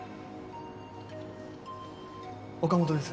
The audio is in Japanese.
岡本です。